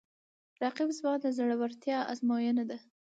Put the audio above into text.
رقیب زما د زړورتیا آزموینه ده